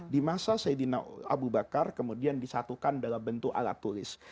di masa sayyidina abu bakar kemudian disatukan dalam bentuk alat tulis